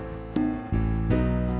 aku mau ke tempat usaha